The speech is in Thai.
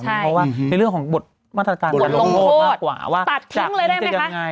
เพราะว่าในเรื่องของบทมาตรการบทลงโทษมากกว่าว่าจากนี้จะยังไง